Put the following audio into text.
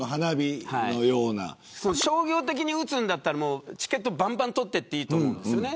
商業的に打つんだったらチケットばんばん取っていいと思うんです。